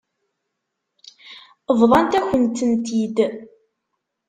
Bḍant-akent-tent-id.